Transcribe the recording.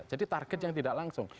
jadi target yang tidak langsung